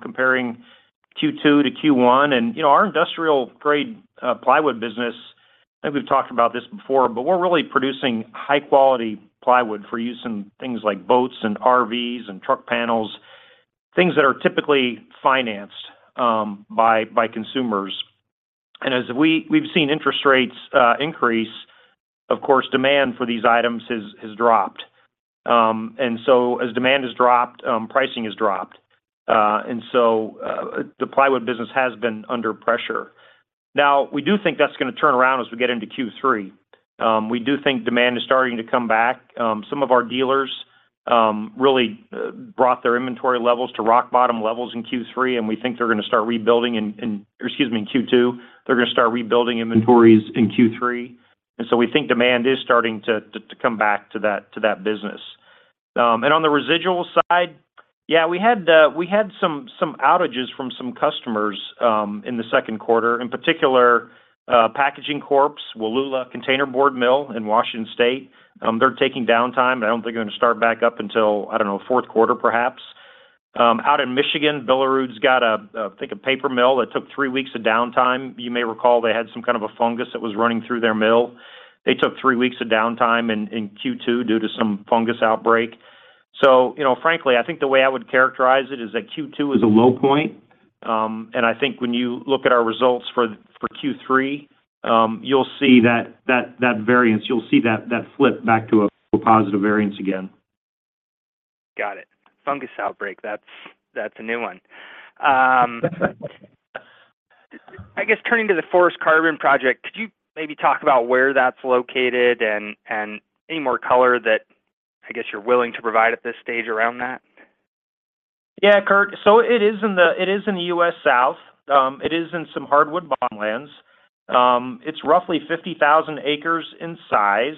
C: comparing Q2 to Q1. You know, our industrial-grade plywood business, I think we've talked about this before, but we're really producing high-quality plywood for use in things like boats and RVs and truck panels, things that are typically financed by consumers. As we've seen interest rates increase, of course, demand for these items has dropped. As demand has dropped, pricing has dropped. The plywood business has been under pressure. We do think that's going to turn around as we get into Q3. We do think demand is starting to come back. Some of our dealers really brought their inventory levels to rock bottom levels in Q3. We think they're going to start rebuilding in Q2. They're going to start rebuilding inventories in Q3. We think demand is starting to come back to that, to that business. On the residual side, yeah, we had some outages from some customers in the second quarter, in particular, Packaging Corp's Wallula container board mill in Washington State. They're taking downtime. I don't think they're going to start back up until, I don't know, fourth quarter, perhaps. Out in Michigan, Billerud's got a, I think, a paper mill that took 3 weeks of downtime. You may recall they had some kind of a fungus that was running through their mill. They took three weeks of downtime in, in Q2 due to some fungus outbreak. You know, frankly, I think the way I would characterize it is that Q2 is a low point, and I think when you look at our results for, for third quarter, you'll see that, that, that variance, you'll see that, that flip back to a, a positive variance again.
H: Got it. Fungus outbreak, that's, that's a new one. I guess turning to the forest carbon project, could you maybe talk about where that's located and, and any more color that I guess you're willing to provide at this stage around that?
C: Yeah, Kurt. It is in the- it is in the US South. It is in some hardwood bottomlands. It's roughly 50,000 acres in size.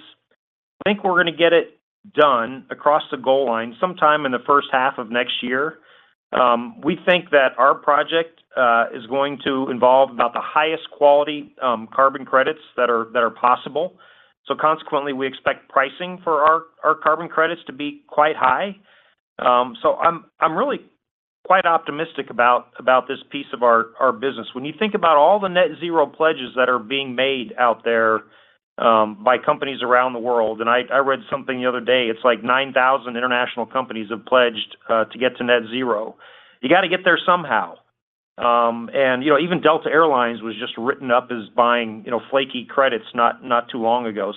C: I think we're going to get it done across the goal line sometime in the first half of next year. We think that our project is going to involve about the highest quality carbon credits that are- that are possible. Consequently, we expect pricing for our, our carbon credits to be quite high. I'm, I'm really quite optimistic about, about this piece of our, our business. When you think about all the net zero pledges that are being made out there by companies around the world, and I, I read something the other day, it's like 9,000 international companies have pledged to get to net zero. You got to get there somehow. You know, even Delta Air Lines was just written up as buying, you know, flaky credits not, not too long ago.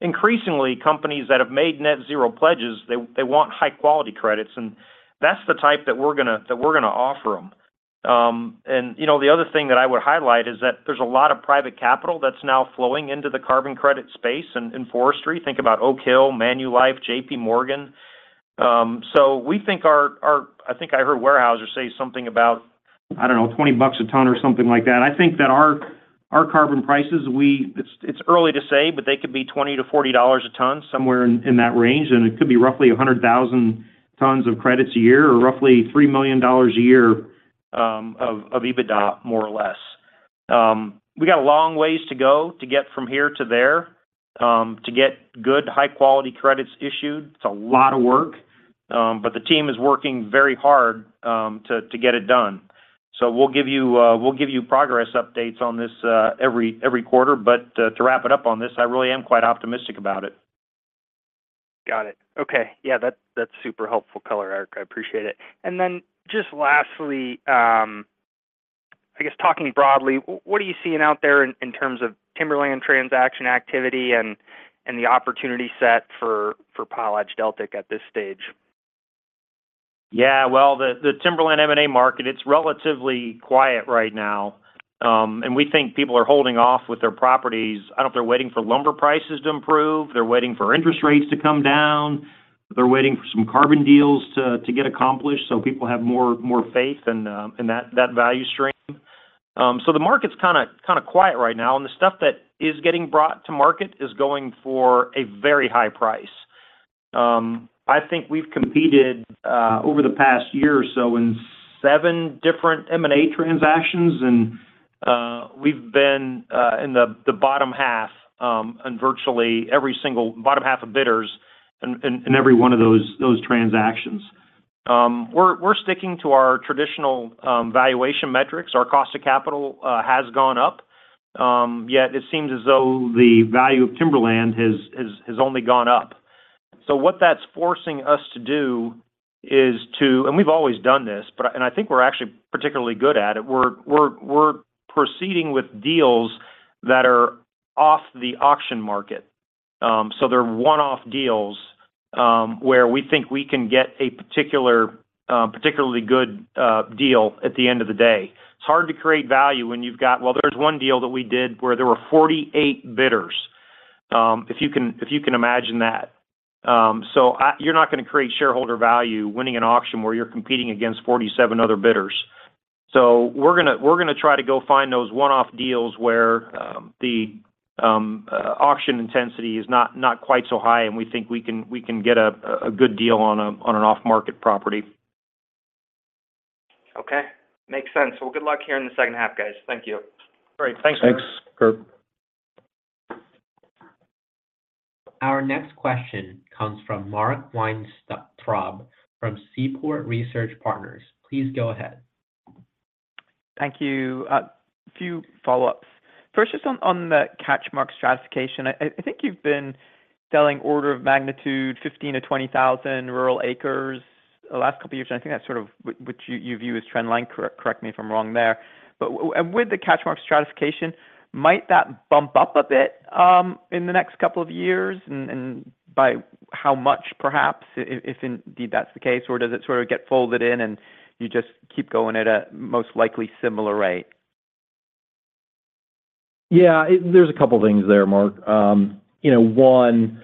C: Increasingly, companies that have made net zero pledges, they, they want high-quality credits, and that's the type that we're going to- that we're going to offer them. You know, the other thing that I would highlight is that there's a lot of private capital that's now flowing into the carbon credit space in, in forestry. Think about Oak Hill, Manulife, JP Morgan. We think our, our-- I think I heard Weyerhaeuser say something about, I don't know, $20 a ton or something like that. I think that our, our carbon prices, it's, it's early to say, but they could be $20-$40 a ton, somewhere in, in that range, and it could be roughly 100,000 tons of credits a year or roughly $3 million a year, of, of EBITDA, more or less. We got a long ways to go to get from here to there to get good, high-quality credits issued. It's a lot of work, but the team is working very hard to, to get it done. We'll give you progress updates on this every, every quarter, but to wrap it up on this, I really am quite optimistic about it.
H: Got it. Okay. Yeah, that's, that's super helpful color, Eric. I appreciate it. Then just lastly, I guess talking broadly, what are you seeing out there in, in terms of timberland transaction activity and, and the opportunity set for, for PotlatchDeltic Deltic at this stage? ...
C: Yeah, well, the, the Timberland M&A market, it's relatively quiet right now. We think people are holding off with their properties. I don't know if they're waiting for lumber prices to improve, they're waiting for interest rates to come down, they're waiting for some carbon deals to, to get accomplished, so people have more, more faith in that, that value stream. The market's kinda, kinda quiet right now, and the stuff that is getting brought to market is going for a very high price. I think we've competed over the past year or so in seven different M&A transactions, and we've been in the, the bottom half in virtually every single bottom half of bidders in, in, in every one of those, those transactions. We're, we're sticking to our traditional valuation metrics. Our cost of capital has gone up, yet it seems as though the value of timberland has, has, has only gone up. What that's forcing us to do is to... And we've always done this, but I think we're actually particularly good at it, we're, we're, we're proceeding with deals that are off the auction market. They're one-off deals, where we think we can get a particular, particularly good deal at the end of the day. It's hard to create value when you've got- well, there's one deal that we did where there were 48 bidders, if you can, if you can imagine that. You're not gonna create shareholder value winning an auction where you're competing against 47 other bidders. We're gonna, we're gonna try to go find those one-off deals where the auction intensity is not, not quite so high, and we think we can, we can get a, a good deal on a, on an off-market property.
H: Okay, makes sense. Good luck here in the second half, guys. Thank you.
C: All right, thanks, Kurt.
A: Our next question comes from Mark Weintraub from Seaport Research Partners. Please go ahead.
I: Thank you. A few follow-ups. First, just on, on the CatchMark stratification, I, I think you've been selling order of magnitude 15,000-20,000 rural acres the last couple of years, and I think that's sort of what, what you, you view as trend line, correct me if I'm wrong there. And with the CatchMark stratification, might that bump up a bit in the next couple of years? And by how much perhaps, if indeed that's the case, or does it sort of get folded in, and you just keep going at a most likely similar rate?
C: Yeah, there's a couple of things there, Mark. you know, one,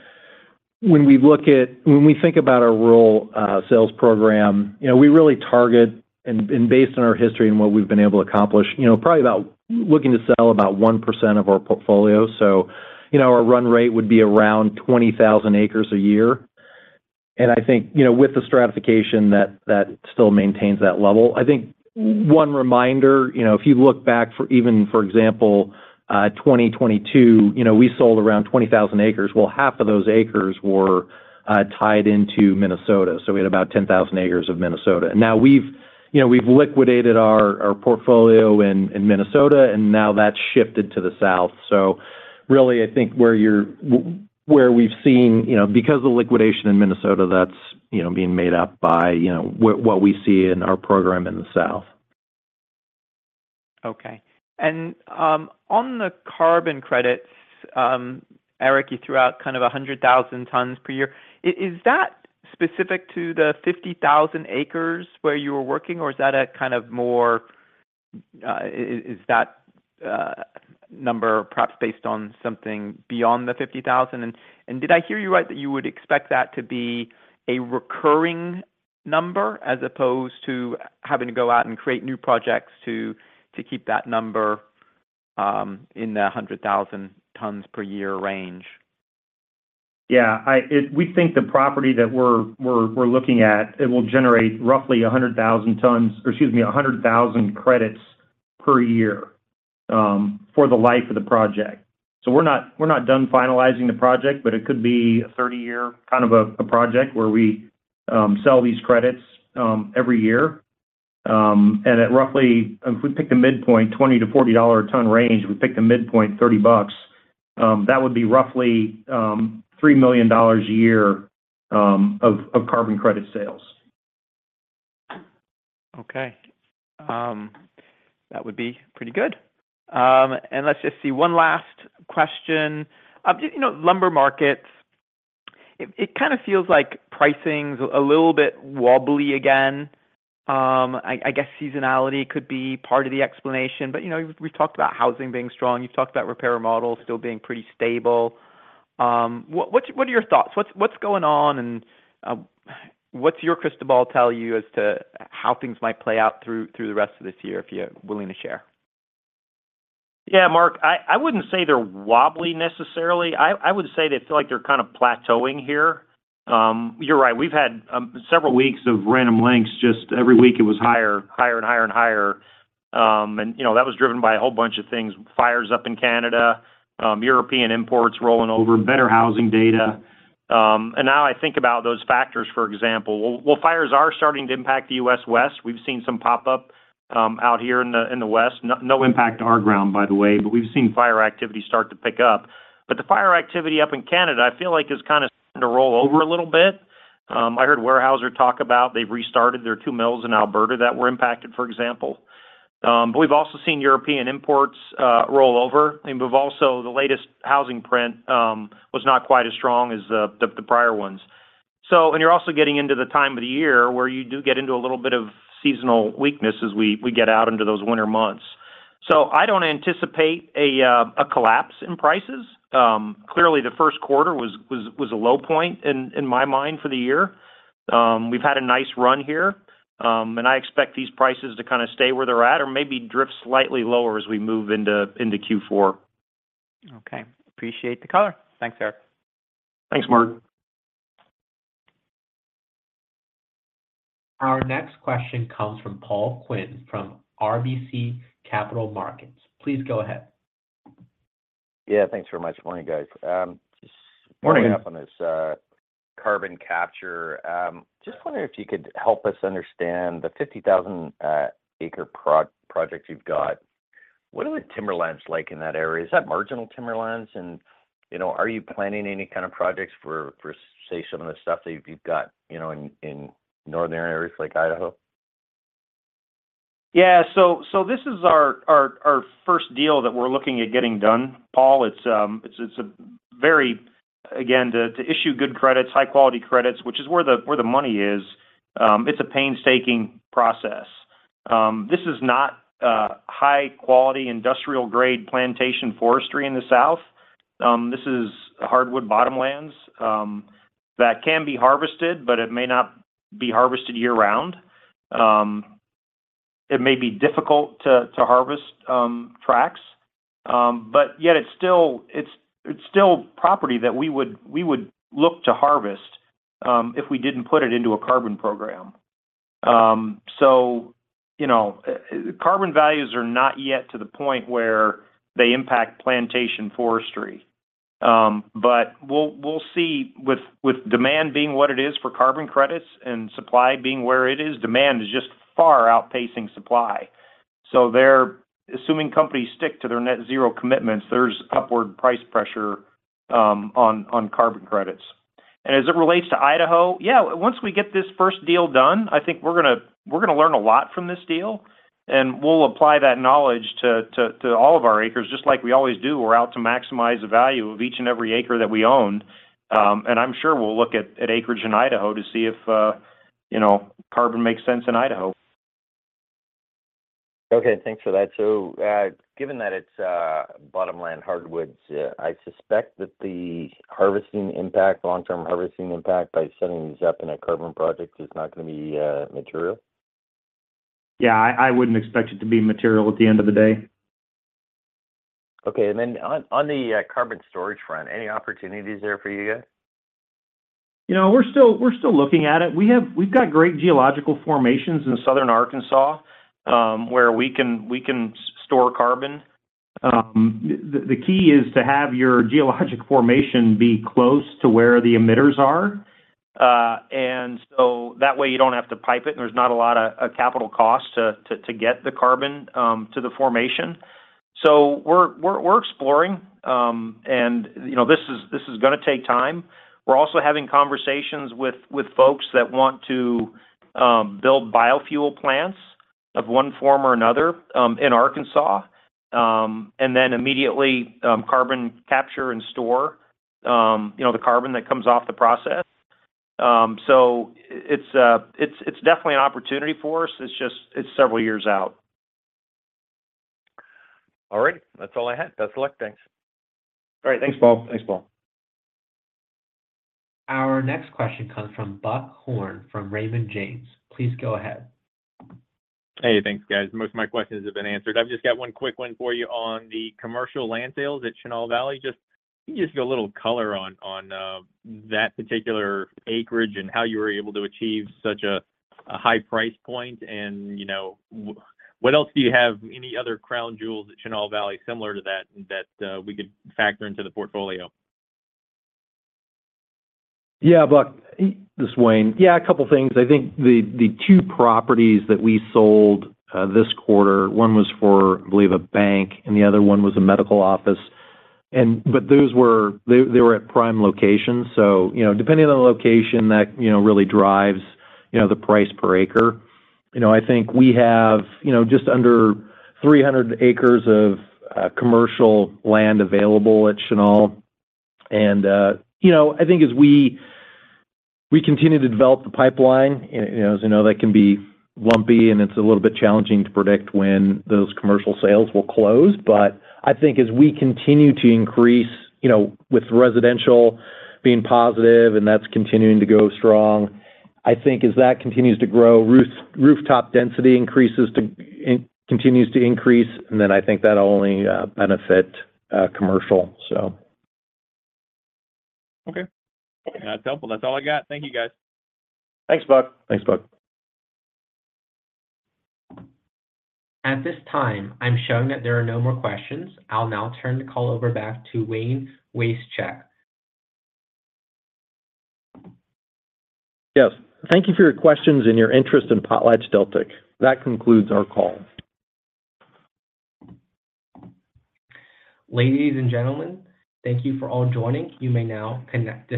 C: when we look at- when we think about our rural sales program, you know, we really target, and, and based on our history and what we've been able to accomplish, you know, probably about looking to sell about 1% of our portfolio. you know, our run rate would be around 20,000 acres a year. I think, you know, with the stratification, that, that still maintains that level. I think one reminder, you know, if you look back for even, for example, 2022, you know, we sold around 20,000 acres, well, half of those acres were tied into Minnesota, so we had about 10,000 acres of Minnesota. Now we've, you know, we've liquidated our, our portfolio in, in Minnesota, and now that's shifted to the South. Really, I think where we've seen, you know, because of the liquidation in Minnesota, that's, you know, being made up by, you know, what, what we see in our program in the South.
I: Okay. On the carbon credits, Eric, you threw out kind of 100,000 tons per year. Is that specific to the 50,000 acres where you were working, or is that a kind of more, is that number perhaps based on something beyond the 50,000? Did I hear you right, that you would expect that to be a recurring number as opposed to having to go out and create new projects to, to keep that number in the 100,000 tons per year range?
C: Yeah, I. It, we think the property that we're, we're, we're looking at, it will generate roughly 100,000 tons, or excuse me, 100,000 credits per year for the life of the project. We're not, we're not done finalizing the project, but it could be a 30-year kind of a, a project where we sell these credits every year. And at roughly, if we pick the midpoint, $20-$40 a ton range, we pick the midpoint, $30, that would be roughly $3 million a year of carbon credit sales.
I: Okay. That would be pretty good. Let's just see, one last question. You know, lumber markets, it, it kind of feels like pricing's a little bit wobbly again. I, I guess seasonality could be part of the explanation, but, you know, we've talked about housing being strong, you've talked about repair models still being pretty stable. What, what's, what are your thoughts? What's, what's going on, and, what's your crystal ball tell you as to how things might play out through, through the rest of this year, if you're willing to share?
C: Yeah, Mark, I, I wouldn't say they're wobbly necessarily. I, I would say they feel like they're kind of plateauing here. You're right, we've had several weeks of Random Lengths, just every week it was higher, higher and higher and higher. You know, that was driven by a whole bunch of things: fires up in Canada, European imports rolling over, better housing data. Now I think about those factors, for example. Well, fires are starting to impact the US West. We've seen some pop up out here in the, in the west. No impact to our ground, by the way, but we've seen fire activity start to pick up. The fire activity up in Canada, I feel like, is kind of starting to roll over a little bit. I heard Weyerhaeuser talk about they've restarted their two mills in Alberta that were impacted, for example. We've also seen European imports roll over, and we've also, the latest housing print was not quite as strong as the, the, the prior ones. And you're also getting into the time of the year where you do get into a little bit of seasonal weakness as we, we get out into those winter months. I don't anticipate a collapse in prices. Clearly, the first quarter was, was, was a low point in, in my mind, for the year. We've had a nice run here, and I expect these prices to kind of stay where they're at or maybe drift slightly lower as we move into, into Q4.
I: Okay. Appreciate the color. Thanks, Eric.
C: Thanks, Mark.
A: Our next question comes from Paul Quinn, from RBC Capital Markets. Please go ahead.
J: Yeah, thanks very much. Morning, guys.
C: Morning.
J: Following up on this, carbon capture. Just wondering if you could help us understand the 50,000 acre project you've got. What are the timberlands like in that area? Is that marginal timberlands? You know, are you planning any kind of projects for, for, say, some of the stuff that you've got, you know, in, in northern areas like Idaho?
C: Yeah. This is our, our, our first deal that we're looking at getting done, Paul. It's, it's, it's a very, again, to, to issue good credits, high quality credits, which is where the, where the money is, it's a painstaking process. This is not a high quality, industrial-grade plantation forestry in the South. This is hardwood bottomlands that can be harvested, but it may not be harvested year-round. It may be difficult to, to harvest, tracks. Yet it's still, it's, it's still property that we would, we would look to harvest, if we didn't put it into a carbon program. You know, carbon values are not yet to the point where they impact plantation forestry. We'll, we'll see, with, with demand being what it is for carbon credits and supply being where it is, demand is just far outpacing supply. Assuming companies stick to their net zero commitments, there's upward price pressure on carbon credits. As it relates to Idaho, yeah, once we get this first deal done, I think we're gonna, we're gonna learn a lot from this deal, and we'll apply that knowledge to, to, to all of our acres, just like we always do. We're out to maximize the value of each and every acre that we own. I'm sure we'll look at, at acreage in Idaho to see if, you know, carbon makes sense in Idaho.
J: Okay. Thanks for that. Given that it's bottomland hardwoods, I suspect that the harvesting impact, long-term harvesting impact by setting this up in a carbon project is not gonna be material?
C: Yeah, I, I wouldn't expect it to be material at the end of the day.
J: Okay. Then on, on the, carbon storage front, any opportunities there for you guys?
C: You know, we're still, we're still looking at it. We've got great geological formations in southern Arkansas, where we can, we can store carbon. The, the key is to have your geological formation be close to where the emitters are. So that way you don't have to pipe it, and there's not a lot of capital cost to, to, to get the carbon to the formation. We're, we're, we're exploring, and, you know, this is, this is gonna take time. We're also having conversations with, with folks that want to build biofuel plants of one form or another in Arkansas, and then immediately carbon capture and store, you know, the carbon that comes off the process. It's, it's, it's definitely an opportunity for us. It's just, it's several years out.
J: All right. That's all I had. Best of luck. Thanks.
C: All right. Thanks, Paul.
B: Thanks, Paul.
A: Our next question comes from Buck Horne, from Raymond James. Please go ahead.
K: Hey, thanks, guys. Most of my questions have been answered. I've just got one quick one for you on the commercial land sales at Chenal Valley. Just, can you just give a little color on that particular acreage and how you were able to achieve such a high price point? You know, what else do you have? Any other crown jewels at Chenal Valley similar to that, we could factor into the portfolio?
B: Yeah, Buck Horne. This Wayne Wasechek. Yeah, a couple of things. I think the, the two properties that we sold this quarter, one was for, I believe, a bank, and the other one was a medical office. They were at prime locations, so, you know, depending on the location, that, you know, really drives, you know, the price per acre. You know, I think we have, you know, just under 300 acres of commercial land available at Chenal Valley. You know, I think as we continue to develop the pipeline, and, you know, as you know, that can be lumpy, and it's a little bit challenging to predict when those commercial sales will close. I think as we continue to increase, you know, with residential being positive, and that's continuing to go strong, I think as that continues to grow, rooftop density increases it continues to increase, and then I think that'll only benefit commercial, so.
K: Okay. That's helpful. That's all I got. Thank you, guys.
C: Thanks, Buck.
B: Thanks, Buck.
A: At this time, I'm showing that there are no more questions. I'll now turn the call over back to Wayne Wasechek.
C: Yes. Thank you for your questions and your interest in PotlatchDeltic. That concludes our call.
A: Ladies and gentlemen, thank you for all joining. You may now disconnect.